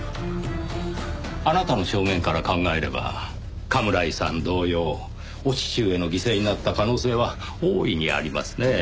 あなたの証言から考えれば甘村井さん同様お父上の犠牲になった可能性は大いにありますねぇ。